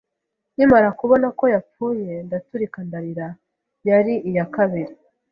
nkimara kubona ko yapfuye, ndaturika ndarira. Yari iya kabiri